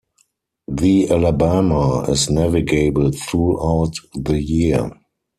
The Alabama is navigable throughout the year.